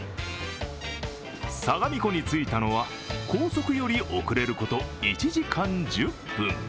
相模湖に着いたのは高速より遅れること１時間１０分。